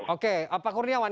oke pak kurniawan